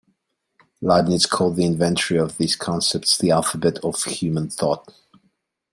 Leibniz called the inventory of these concepts the alphabet of human thought.